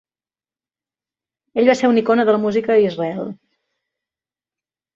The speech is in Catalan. Ell va ser una icona de la música a Israel.